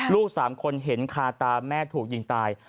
ลูก๓คนเห็นคาตาแม่ถูกยิงตาย